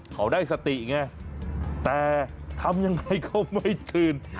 เขาได้สติไงแต่ทำยังไงเขาไม่ตื่น